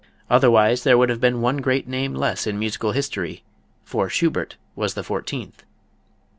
Otherwise there would have been one great name less in musical history, for Schubert was the fourteenth.